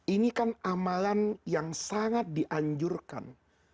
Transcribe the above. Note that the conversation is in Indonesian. ini kan amalan yang sangat dianjurkan